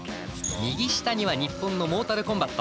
右下には日本のモータルコンバット。